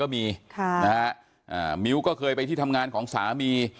มิ้วก็เคยไปที่ทำงานของสามี